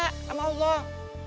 minta sama allah